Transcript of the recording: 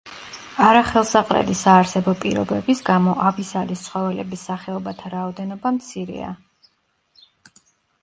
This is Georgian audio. არახელსაყრელი საარსებო პირობების გამო აბისალის ცხოველების სახეობათა რაოდენობა მცირეა.